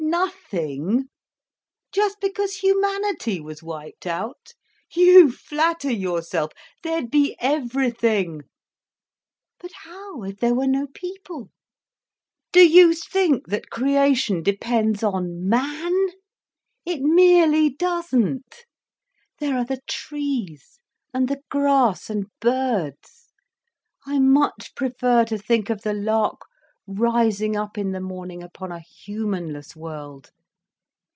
Nothing? Just because humanity was wiped out? You flatter yourself. There'd be everything." "But how, if there were no people?" "Do you think that creation depends on man! It merely doesn't. There are the trees and the grass and birds. I much prefer to think of the lark rising up in the morning upon a humanless world.